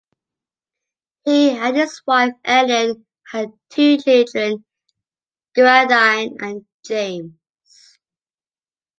He and his wife Ellen had two children: Geraldine and James.